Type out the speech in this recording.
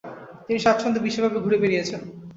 তিনি স্বাচ্ছন্দ্যে বিশ্বব্যাপী ঘুরে বেড়িয়েছেন।